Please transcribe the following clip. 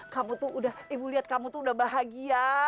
kamu tuh udah ibu lihat kamu tuh udah bahagia